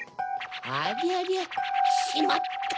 ありゃりゃしまった。